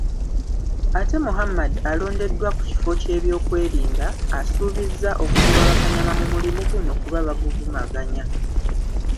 Ate Muhammad alondeddwa ku kifo ky'ebyokwerinda, asuubizza okugoba bakanyama mu mulimu guno kuba baguvumaganya.